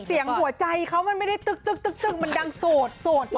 เสียงหัวใจเขามันไม่ได้ตึ๊กมันดังโสดโสด